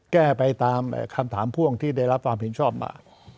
แก้ไปตามคำถามพ่วงที่ได้รับความเห็นชอบมา